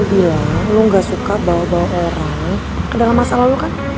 lu bilang lu ga suka bawa bawa orang ke dalam masalah lu kan